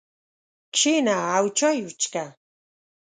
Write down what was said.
کښېنه او چای وڅښه.